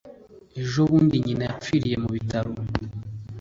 ejo bundi nyina yapfiriye mu bitaro